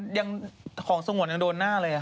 เพราะวันนี้หล่อนแต่งกันได้ยังเป็นสวย